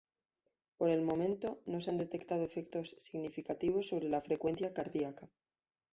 Por el momento no se han detectado efectos significativos sobre la frecuencia cardíaca.